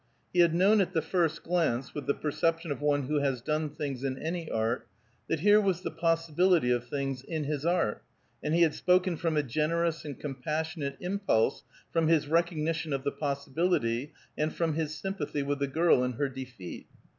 He had known at the first glance, with the perception of one who has done things in any art, that here was the possibility of things in his art, and he had spoken from a generous and compassionate impulse, from his recognition of the possibility, and from his sympathy with the girl in her defeat.